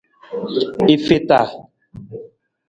I feta.